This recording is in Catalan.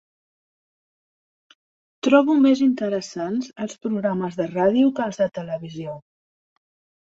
Trobo més interessants els programes de ràdio que els de televisió